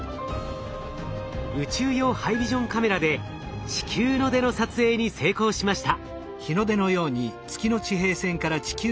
宇宙用ハイビジョンカメラで「地球の出」の撮影に成功しました。